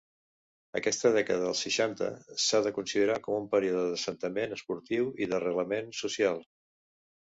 Aquesta dècada dels seixanta s'ha de considerar com un període d'assentament esportiu i d'arrelament social.